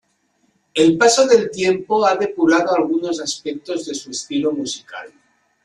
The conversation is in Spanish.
El paso del tiempo ha depurado algunos aspectos de su estilo musical.